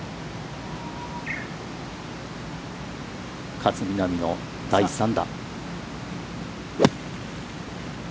勝みなみの第３打。